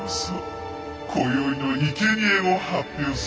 こよいのいけにえを発表する。